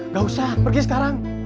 gak usah pergi sekarang